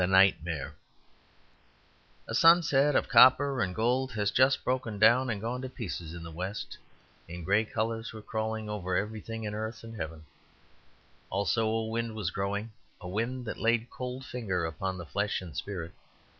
The Nightmare A sunset of copper and gold had just broken down and gone to pieces in the west, and grey colours were crawling over everything in earth and heaven; also a wind was growing, a wind that laid a cold finger upon flesh and spirit.